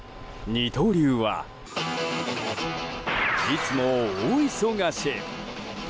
二刀流は、いつも大忙し。